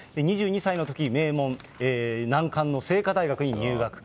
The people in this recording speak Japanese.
２２歳のときに名門、難関の清華大学に入学。